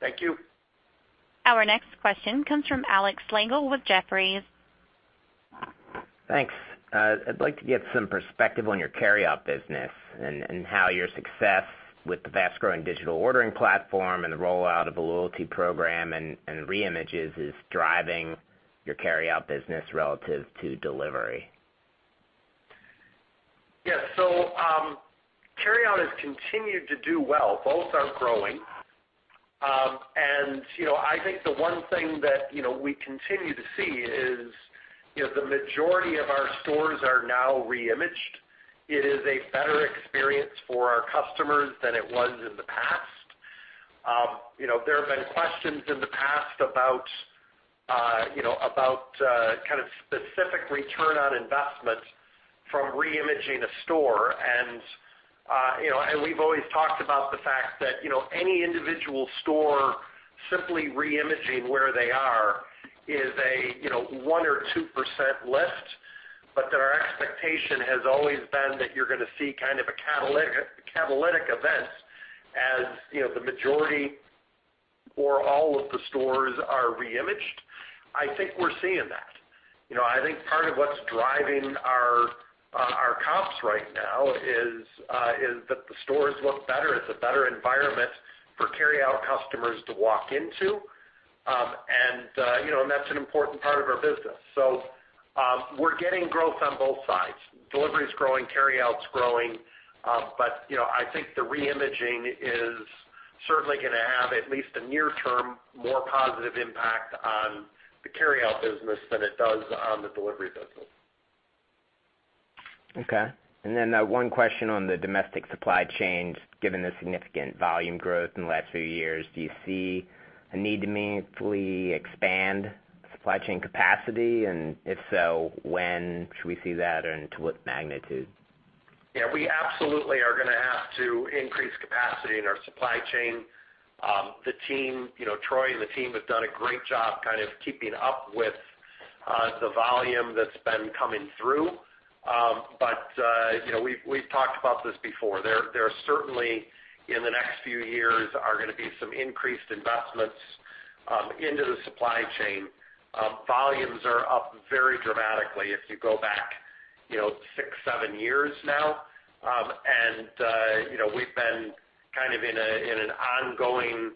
Thank you. Our next question comes from Alex Lange with Jefferies. Thanks. I'd like to get some perspective on your carryout business and how your success with the fast-growing digital ordering platform and the rollout of a loyalty program and re-images is driving your carryout business relative to delivery. Yeah. Carryout has continued to do well. Both are growing. I think the one thing that we continue to see is the majority of our stores are now re-imaged. It is a better experience for our customers than it was in the past. There have been questions in the past about kind of specific return on investment from re-imaging a store, and we've always talked about the fact that any individual store simply re-imaging where they are is a 1% or 2% lift, but that our expectation has always been that you're going to see kind of a catalytic event as the majority or all of the stores are re-imaged. I think we're seeing that. I think part of what's driving our comps right now is that the stores look better. It's a better environment for carryout customers to walk into. That's an important part of our business. We're getting growth on both sides. Delivery is growing, carryout's growing. I think the re-imaging is certainly going to have at least a near-term, more positive impact on the carryout business than it does on the delivery business. Okay. One question on the domestic supply chain. Given the significant volume growth in the last few years, do you see a need to meaningfully expand supply chain capacity? If so, when should we see that, and to what magnitude? Yeah, we absolutely are going to have to increase capacity in our supply chain. Troy and the team have done a great job kind of keeping up with the volume that's been coming through. We've talked about this before. There are certainly, in the next few years, are going to be some increased investments into the supply chain. Volumes are up very dramatically if you go back six, seven years now. We've been kind of in an ongoing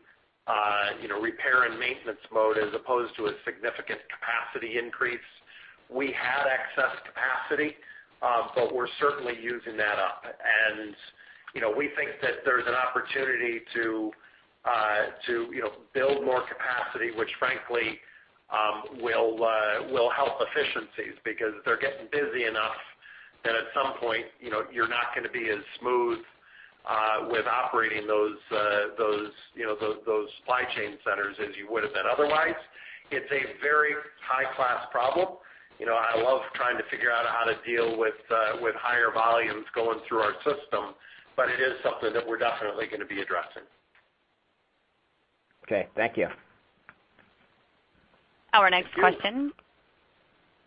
repair and maintenance mode as opposed to a significant capacity increase. We had excess capacity, but we're certainly using that up. We think that there's an opportunity to build more capacity, which frankly will help efficiencies because they're getting busy enough that at some point you're not going to be as smooth with operating those supply chain centers as you would have been otherwise. It's a very high-class problem. I love trying to figure out how to deal with higher volumes going through our system, but it is something that we're definitely going to be addressing. Okay. Thank you. Our next question- Thank you.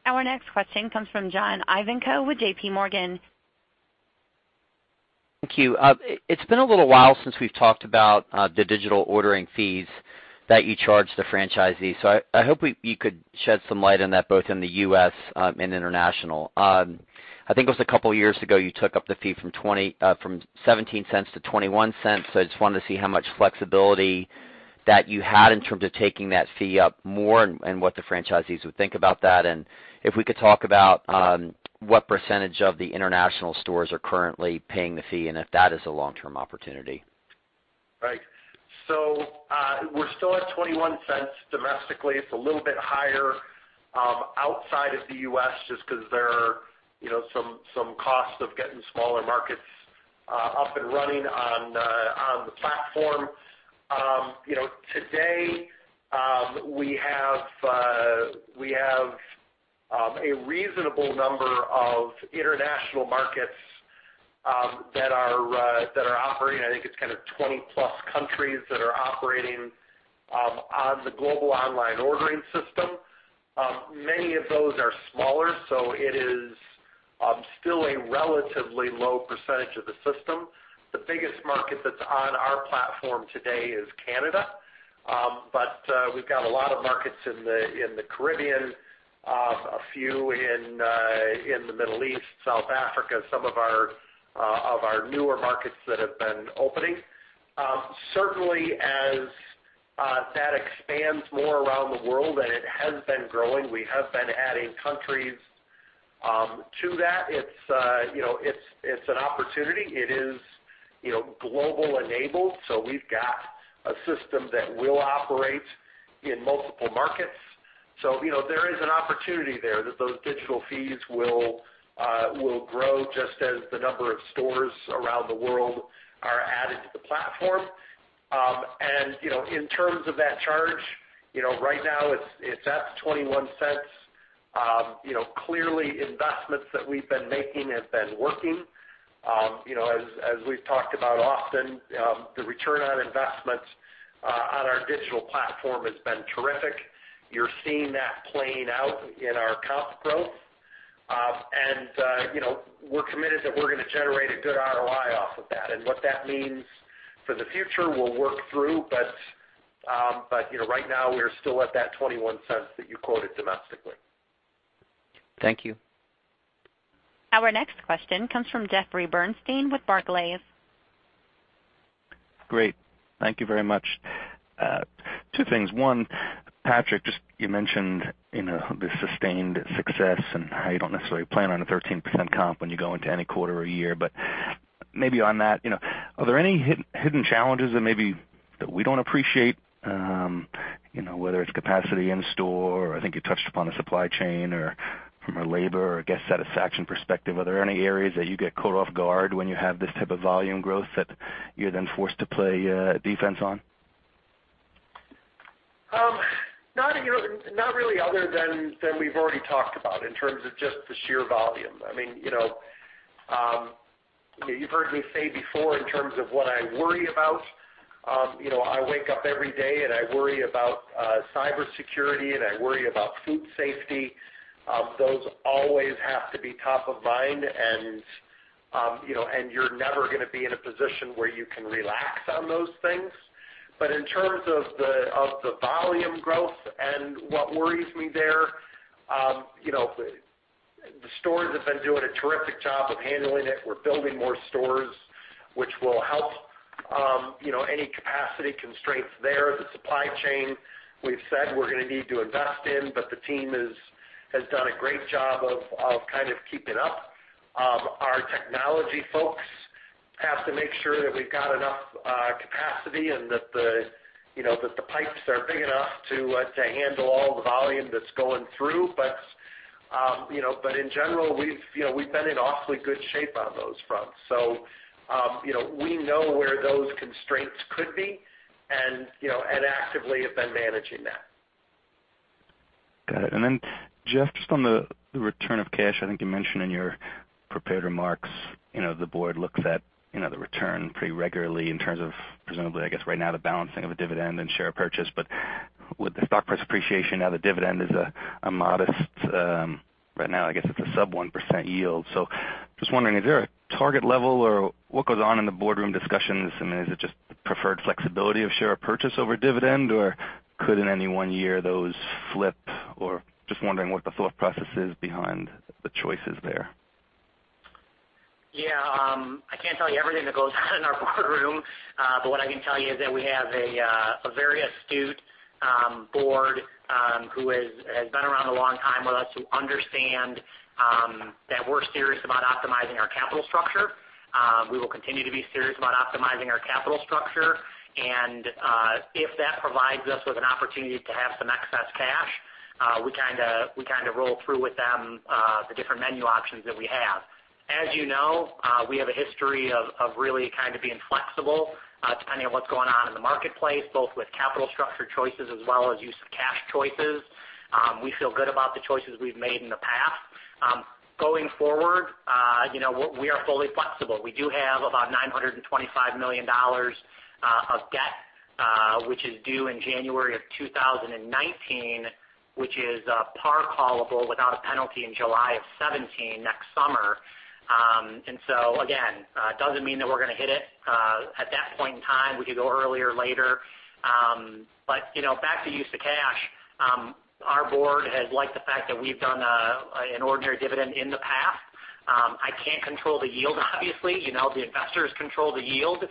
Our next question comes from John Ivankoe with JP Morgan. Thank you. It's been a little while since we've talked about the digital ordering fees that you charge the franchisees, I hope you could shed some light on that both in the U.S. and international. I think it was a couple of years ago, you took up the fee from $0.17 to $0.21, I just wanted to see how much flexibility that you had in terms of taking that fee up more, and what the franchisees would think about that. If we could talk about what percentage of the international stores are currently paying the fee, and if that is a long-term opportunity. Right. We're still at $0.21 domestically. It's a little bit higher outside of the U.S. just because there are some costs of getting smaller markets up and running on the platform. Today, we have a reasonable number of international markets that are operating. I think it's kind of 20-plus countries that are operating on the global online ordering system. Many of those are smaller, it is still a relatively low percentage of the system. The biggest market that's on our platform today is Canada. We've got a lot of markets in the Caribbean, a few in the Middle East, South Africa, some of our newer markets that have been opening. Certainly, as that expands more around the world, and it has been growing, we have been adding countries to that. It's an opportunity. It is global enabled, we've got a system that will operate in multiple markets. There is an opportunity there that those digital fees will grow just as the number of stores around the world are added to the platform. In terms of that charge Right now it's at $0.21. Clearly, investments that we've been making have been working. As we've talked about often, the return on investments on our digital platform has been terrific. You're seeing that playing out in our comp growth. We're committed that we're going to generate a good ROI off of that. What that means for the future, we'll work through. But right now, we are still at that $0.21 that you quoted domestically. Thank you. Our next question comes from Jeffrey Bernstein with Barclays. Great. Thank you very much. Two things. One, Patrick, just you mentioned the sustained success and how you don't necessarily plan on a 13% comp when you go into any quarter or year. Maybe on that, are there any hidden challenges that maybe that we don't appreciate? Whether it's capacity in store or I think you touched upon the supply chain or from a labor or guest satisfaction perspective, are there any areas that you get caught off guard when you have this type of volume growth that you're then forced to play defense on? Not really other than we've already talked about in terms of just the sheer volume. You've heard me say before in terms of what I worry about. I wake up every day and I worry about cybersecurity, and I worry about food safety. Those always have to be top of mind, and you're never going to be in a position where you can relax on those things. In terms of the volume growth and what worries me there, the stores have been doing a terrific job of kind of keeping up. We're building more stores, which will help any capacity constraints there. The supply chain, we've said we're going to need to invest in, but the team has done a great job of kind of keeping up. Our technology folks have to make sure that we've got enough capacity and that the pipes are big enough to handle all the volume that's going through. In general, we've been in awfully good shape on those fronts. We know where those constraints could be and actively have been managing that. Got it. Jeff, just on the return of cash, I think you mentioned in your prepared remarks the board looks at the return pretty regularly in terms of presumably, I guess right now, the balancing of a dividend and share purchase. With the stock price appreciation, now the dividend is a modest, right now, I guess it's a sub 1% yield. Just wondering, is there a target level or what goes on in the boardroom discussions, and is it just preferred flexibility of share purchase over dividend, or could in any one year those flip or just wondering what the thought process is behind the choices there? Yeah. I can't tell you everything that goes on in our boardroom. What I can tell you is that we have a very astute board who has been around a long time with us, who understand that we're serious about optimizing our capital structure. We will continue to be serious about optimizing our capital structure. If that provides us with an opportunity to have some excess cash, we roll through with them the different menu options that we have. As you know, we have a history of really kind of being flexible depending on what's going on in the marketplace, both with capital structure choices as well as use of cash choices. We feel good about the choices we've made in the past. Going forward, we are fully flexible. We do have about $925 million of debt, which is due in January of 2019, which is par callable without a penalty in July of 2017, next summer. Again, doesn't mean that we're going to hit it at that point in time. We could go earlier or later. Back to use of cash. Our board has liked the fact that we've done an ordinary dividend in the past. I can't control the yield, obviously. The investors control the yield.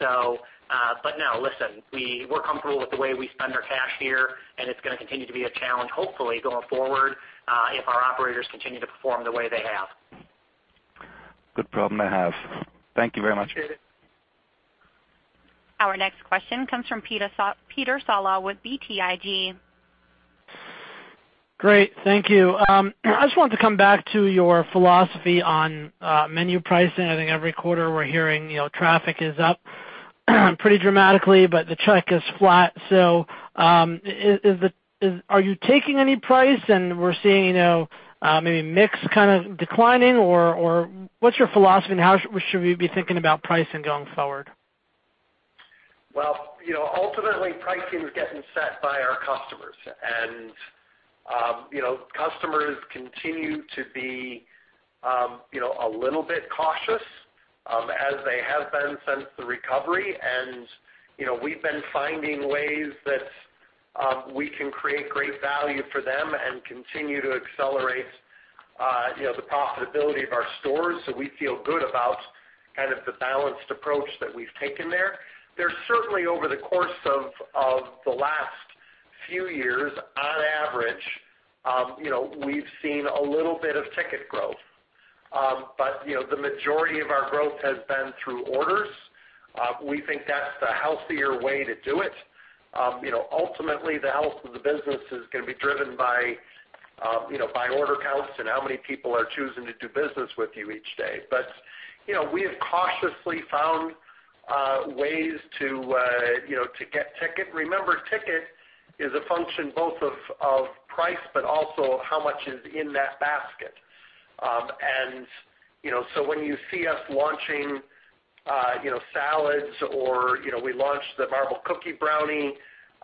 No, listen, we're comfortable with the way we spend our cash here, and it's going to continue to be a challenge, hopefully going forward, if our operators continue to perform the way they have. Good problem to have. Thank you very much. Appreciate it. Our next question comes from Peter Saleh with BTIG. Great. Thank you. I just wanted to come back to your philosophy on menu pricing. I think every quarter we're hearing traffic is up pretty dramatically, but the check is flat. Are you taking any price and we're seeing maybe mix kind of declining, or what's your philosophy and how should we be thinking about pricing going forward? Ultimately, pricing is getting set by our customers. Customers continue to be a little bit cautious, as they have been since the recovery. We've been finding ways that we can create great value for them and continue to accelerate the profitability of our stores. We feel good about kind of the balanced approach that we've taken there. There's certainly over the course of the last few years, on average, we've seen a little bit of ticket growth. The majority of our growth has been through orders. We think that's the healthier way to do it. Ultimately, the health of the business is going to be driven by order counts and how many people are choosing to do business with you each day. We have cautiously found ways to get ticket. Remember, ticket is a function both of price, but also of how much is in that basket. When you see us launching salads or we launched the Marbled Cookie Brownie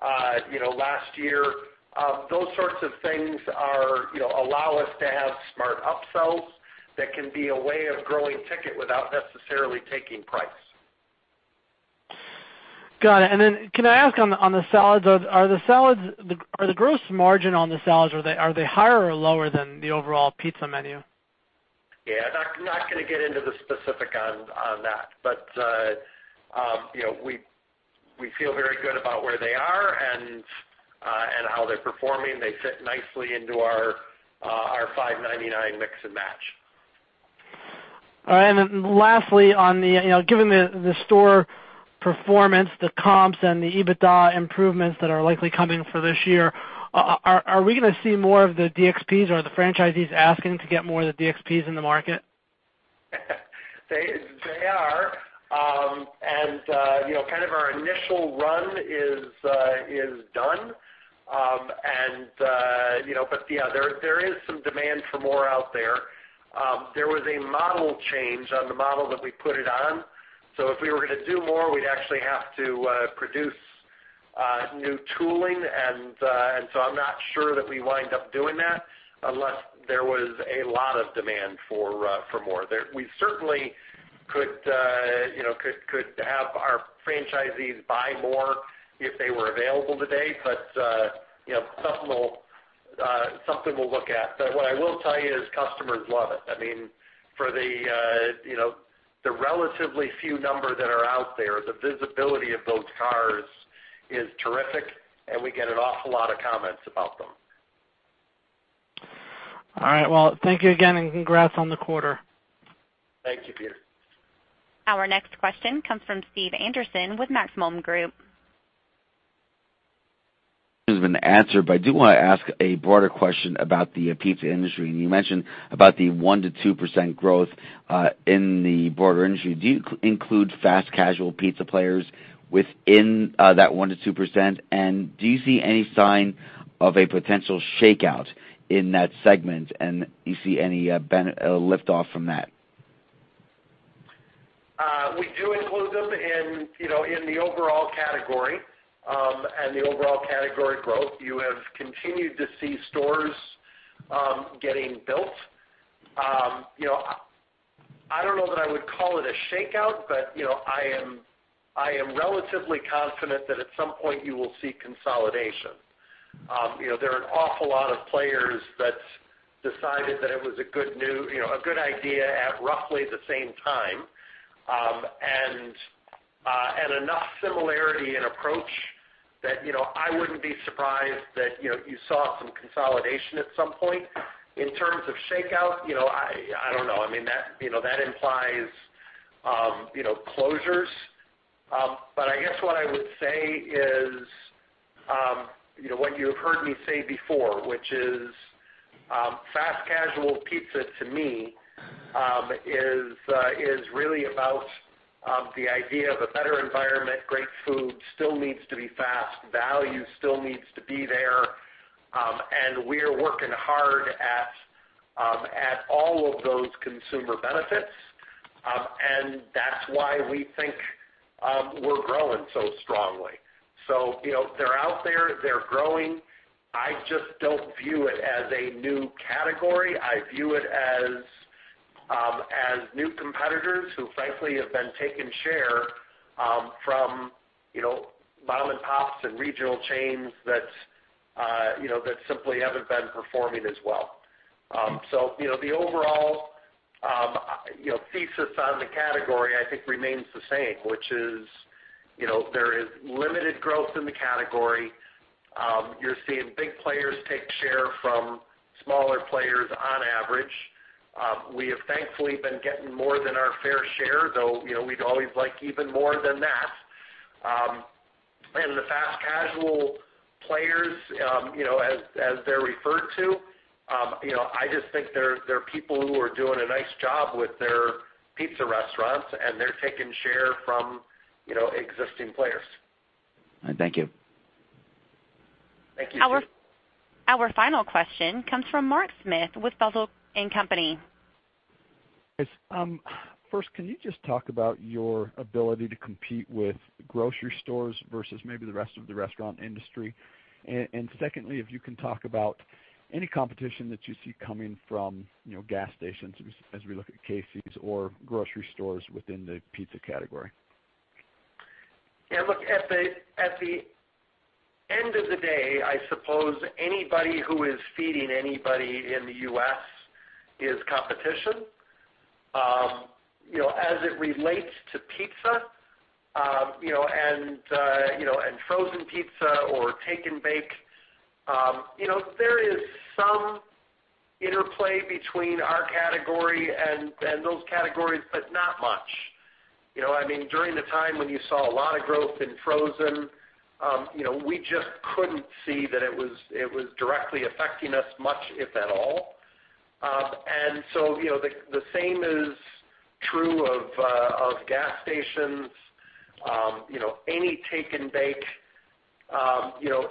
last year, those sorts of things allow us to have smart upsells that can be a way of growing ticket without necessarily taking price. Got it. Can I ask on the salads, are the gross margin on the salads, are they higher or lower than the overall pizza menu? Yeah. Not going to get into the specifics on that, but we feel very good about where they are and how they're performing. They fit nicely into our $5.99 mix and match. Lastly, given the store performance, the comps, the EBITDA improvements that are likely coming for this year, are we going to see more of the DXPs? Are the franchisees asking to get more of the DXPs in the market? They are. Kind of our initial run is done. Yeah, there is some demand for more out there. There was a model change on the model that we put it on. If we were going to do more, we'd actually have to produce new tooling, I'm not sure that we wind up doing that unless there was a lot of demand for more. We certainly could have our franchisees buy more if they were available today, but something we'll look at. What I will tell you is customers love it. For the relatively few number that are out there, the visibility of those cars is terrific, and we get an awful lot of comments about them. All right. Well, thank you again, and congrats on the quarter. Thank you, Peter. Our next question comes from Steve Anderson with Maxim Group. Has been answered, but I do want to ask a broader question about the pizza industry. You mentioned about the 1%-2% growth in the broader industry. Do you include fast casual pizza players within that 1%-2%? Do you see any sign of a potential shakeout in that segment, and do you see any lift off from that? We do include them in the overall category. The overall category growth, you have continued to see stores getting built. I don't know that I would call it a shakeout, but I am relatively confident that at some point you will see consolidation. There are an awful lot of players that decided that it was a good idea at roughly the same time. Enough similarity in approach that I wouldn't be surprised that you saw some consolidation at some point. In terms of shakeout, I don't know. That implies closures. I guess what I would say is what you have heard me say before, which is fast casual pizza to me is really about the idea of a better environment, great food, still needs to be fast. Value still needs to be there. We are working hard at all of those consumer benefits. That's why we think we're growing so strongly. They're out there. They're growing. I just don't view it as a new category. I view it as new competitors who frankly have been taking share from mom and pops and regional chains that simply haven't been performing as well. The overall thesis on the category, I think remains the same, which is there is limited growth in the category. You're seeing big players take share from smaller players on average. We have thankfully been getting more than our fair share, though we'd always like even more than that. The fast casual players, as they're referred to, I just think they're people who are doing a nice job with their pizza restaurants, and they're taking share from existing players. All right. Thank you. Thank you, Steve. Our final question comes from Mark Smith with Stifel. Yes. First, can you just talk about your ability to compete with grocery stores versus maybe the rest of the restaurant industry? Secondly, if you can talk about any competition that you see coming from gas stations as we look at Casey's or grocery stores within the pizza category. Yeah, look, at the end of the day, I suppose anybody who is feeding anybody in the U.S. is competition. As it relates to pizza and frozen pizza or take and bake, there is some interplay between our category and those categories, but not much. During the time when you saw a lot of growth in frozen, we just couldn't see that it was directly affecting us much, if at all. The same is true of gas stations. Any take and bake,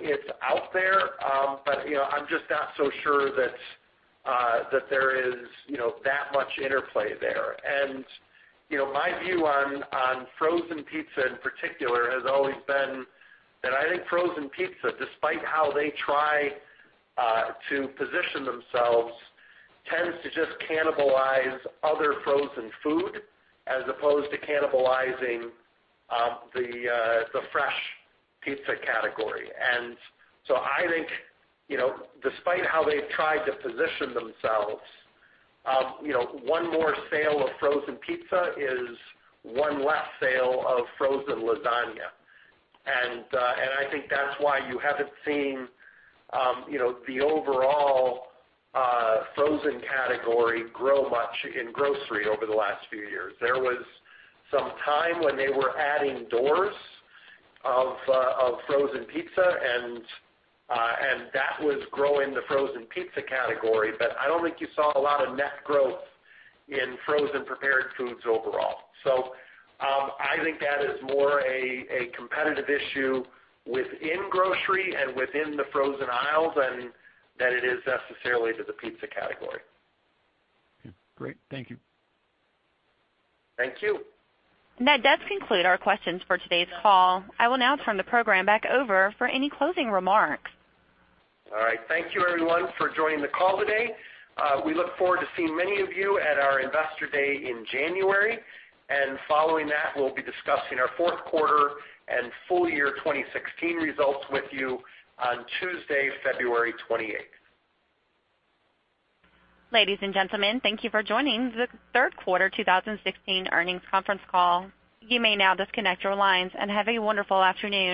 it's out there, but I'm just not so sure that there is that much interplay there. My view on frozen pizza, in particular, has always been that I think frozen pizza, despite how they try to position themselves, tends to just cannibalize other frozen food as opposed to cannibalizing the fresh pizza category. I think, despite how they've tried to position themselves, one more sale of frozen pizza is one less sale of frozen lasagna. I think that's why you haven't seen the overall frozen category grow much in grocery over the last few years. There was some time when they were adding doors of frozen pizza, and that was growing the frozen pizza category. I don't think you saw a lot of net growth in frozen prepared foods overall. I think that is more a competitive issue within grocery and within the frozen aisles than it is necessarily to the pizza category. Okay, great. Thank you. Thank you. That does conclude our questions for today's call. I will now turn the program back over for any closing remarks. All right. Thank you everyone for joining the call today. We look forward to seeing many of you at our Investor Day in January. Following that, we'll be discussing our fourth quarter and full year 2016 results with you on Tuesday, February 28th. Ladies and gentlemen, thank you for joining the third quarter 2016 earnings conference call. You may now disconnect your lines, and have a wonderful afternoon.